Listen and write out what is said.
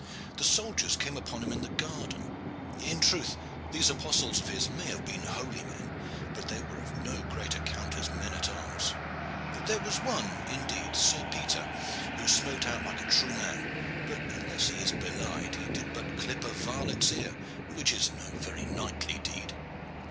The soldiers came upon him in the garden. In truth, these Apostles of His may have been holy men, but they were of no great account as men at arms. There was one, indeed, Sir Peter, who smote out like a true man; but, unless he is belied, he did but clip a varlet's ear, which was no very knightly deed.